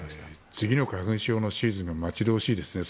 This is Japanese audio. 次の花粉症のシーズンが待ち遠しいですね。